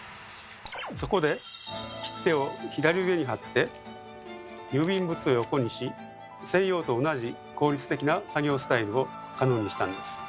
そこで切手を左上に貼って郵便物を横にし西洋と同じ効率的な作業スタイルを可能にしたんです。